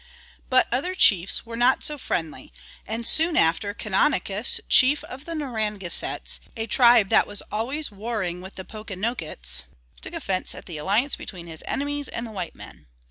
But other chiefs were not so friendly, and soon after Canonicus, chief of the Narragansetts, a tribe that was always warring with the Pokanokets, took offense at the alliance between his enemies and the white men.